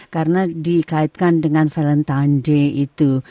karena dikaitkan dengan valentine s day itu